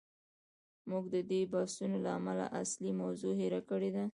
موږ د دې بحثونو له امله اصلي موضوع هیر کړې ده.